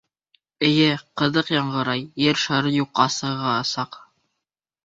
Эйе, ҡыҙыҡ яңғырай, Ер шары юҡҡа сығасаҡ.